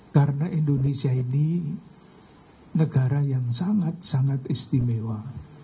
karena indonesia ini negara yang sangat sangat istimewa